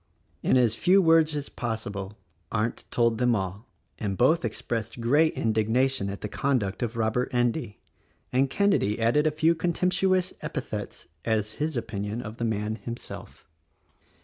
In as few words as possible Arndt told them all, and both expressed great indignation at the conduct of Robert Endy, and Kenedy added a few contemptuous epithets as his opinion of the man himself.